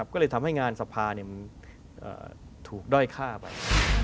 ก็เลยทำให้งานสภามันถูกด้อยฆ่าไป